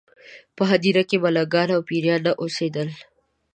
په هدیره کې ملنګان او پېران نه اوسېدل.